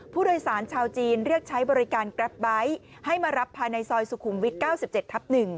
ผู้โดยสารชาวจีนเรียกใช้บริการแกรปไบท์ให้มารับภายในซอยสุขุมวิท๙๗ทับ๑